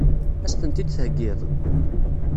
Ad as-tent-id-theggiḍ?